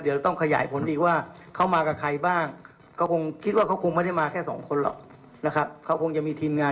คือตอนนี้เราออกหมายจับไว้๓คนแต่คิดว่ายังมีอีก